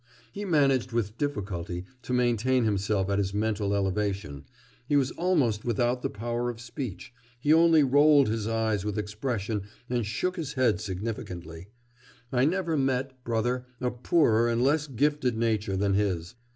He managed with difficulty to maintain himself at his mental elevation, he was almost without the power of speech, he only rolled his eyes with expression and shook his head significantly. I never met, brother, a poorer and less gifted nature than his....